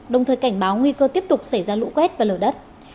đồng thời cảnh báo nguy cơ tiếp tục xảy ra lũ quét và lở đất